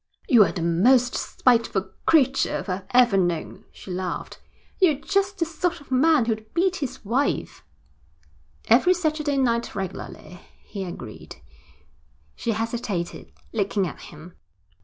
'You are the most spiteful creature I've ever known,' she laughed. 'You're just the sort of man who'd beat his wife.' 'Every Saturday night regularly,' he agreed. She hesitated, looking at him.